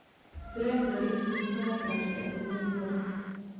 Zdrojem vody jsou sněhové srážky a podzemní voda.